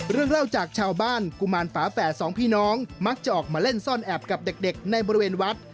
เรื่องเล่าจากชาวบ้านกุมารฝาแฝดสองพี่น้องมักจะออกมาเล่นซ่อนแอบกับเด็กในบริเวณวัด